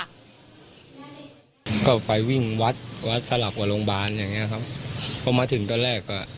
บางคนก็พูดว่าเสียแล้วอะไรอย่างนี้เราก็ไม่เชื่ออะไรครับผมไม่เชื่อผมขอเห็นเองครับ